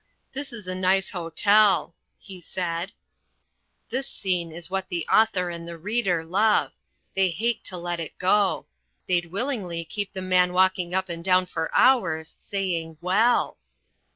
"This is a nice hotel," he said. (This scene is what the author and the reader love; they hate to let it go. They'd willingly keep the man walking up and down for hours saying "Well!")